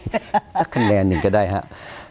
สักคะแนนหนึ่งก็ได้ครับ